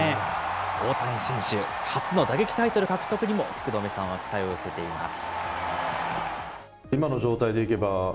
大谷選手、初の打撃タイトル獲得にも福留さんは期待を寄せています。